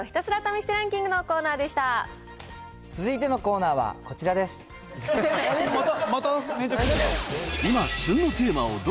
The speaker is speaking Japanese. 以上、ひたすら試してランキングのコーナーでした。